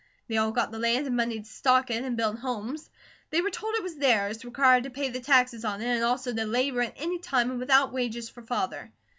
They all got the land and money to stock it and build homes. They were told it was theirs, required to pay the taxes on it, and also to labour at any time and without wages for Father.